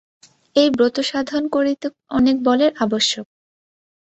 এই ব্রত সাধন করিতে অনেক বলের আবশ্যক।